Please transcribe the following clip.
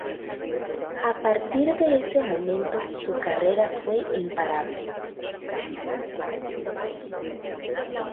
A partir de ese momento su carrera fue imparable.